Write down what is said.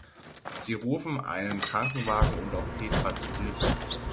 Sie rufen einen Krankenwagen und auch Petra zu Hilfe.